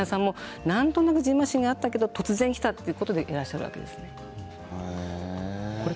患者さんもなんとなくじんましんがあったけど突然起きたということでいらっしゃるわけです。